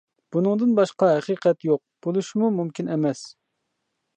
بۇنىڭدىن باشقا ھەقىقەت يوق بولۇشىمۇ مۇمكىن ئەمەس.